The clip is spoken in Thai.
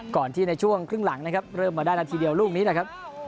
ก่อนที่ในช่วงครึ่งหลังนะครับเริ่มมาได้นาทีเดียวลูกนี้แหละครับ